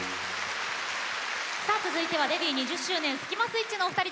さあ続いてはデビュー２０周年スキマスイッチのお二人です。